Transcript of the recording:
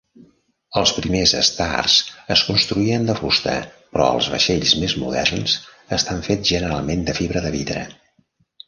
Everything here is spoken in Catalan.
Els primers Stars es construïen de fusta, però els vaixells més moderns estan fets generalment de fibra de vidre.